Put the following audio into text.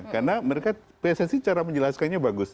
karena mereka pssi cara menjelaskannya bagus